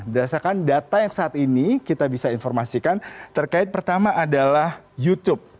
berdasarkan data yang saat ini kita bisa informasikan terkait pertama adalah youtube